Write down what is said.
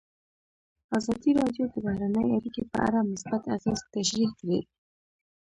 ازادي راډیو د بهرنۍ اړیکې په اړه مثبت اغېزې تشریح کړي.